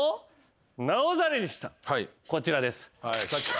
こちらです。